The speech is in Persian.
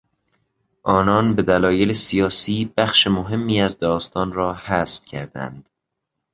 آنان به دلایل سیاسی بخش مهمی از داستان را حذف کردند.